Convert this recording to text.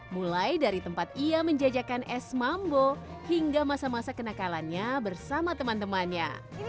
mulai dari tempat ia menjajakan es mambo hingga masa masa kenakalannya bersama teman temannya